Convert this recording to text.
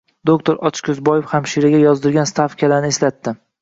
Doktor Ochko`zboev hamshiraga yozdirgan stavkalarni eslatdi